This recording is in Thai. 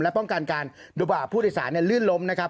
และป้องกันการโดบ่าผู้โดยสารเนี่ยลื่นล้มนะครับ